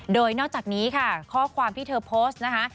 โดยนอกจากนี้ค่ะข้อความที่เธอโพสต์นะคะ